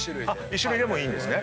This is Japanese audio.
１種類でもいいんですね。